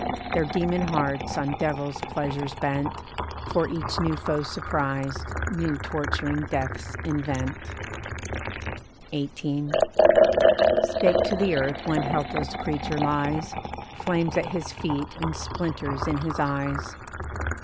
Their demon hearts on devils' pleasures bent, For each new foe surprised, new torturing deaths invent. XVIII. Staked to the earth one helpless creature lies, Flames at his feet and splinters in his eyes.